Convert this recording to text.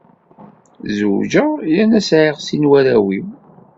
Zewǧeɣ yerna sɛiɣ sin n warraw-iw.